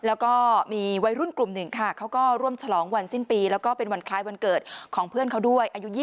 แล้วก็มีวัยรุ่นกลุ่มหนึ่งค่ะเขาก็ร่วมฉลองวันสิ้นปีแล้วก็เป็นวันคล้ายวันเกิดของเพื่อนเขาด้วยอายุ๒๐